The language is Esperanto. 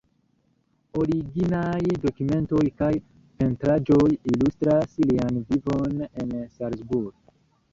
Originaj dokumentoj kaj pentraĵoj ilustras lian vivon en Salzburg.